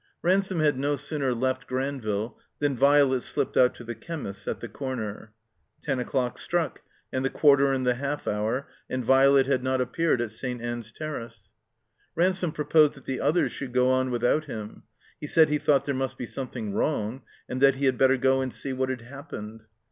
Ransome had no sooner left Granville than Violet slipped out to the chemist's at the comer. Ten o'clock struck, and the quarter and the half hour, and Violet had not appeared at St. Ann's Terrace. Ransome proposed that the others should go on without him; he said he thought there must be some thing wrong, and that he had better go and see what had happened.